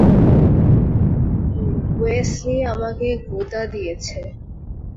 Wesley আমাকে গুঁতা দিয়েছে।